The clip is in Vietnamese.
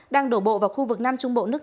đang đổ bộ vào khu vực nam trung quốc